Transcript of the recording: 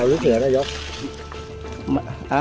ตอนนี้เจออะไรบ้างครับ